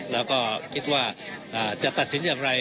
แล้วก็คิดว่าจะตัดสินอย่างไร